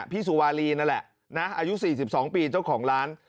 พี่สุวารีนั่นแหละอายุสี่สิบสองปีเจ้าของร้าน